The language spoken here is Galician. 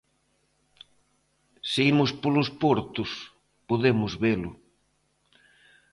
Se imos polos portos, podemos velo.